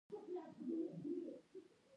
د ګاونډي سترګې باید ونه رنځوې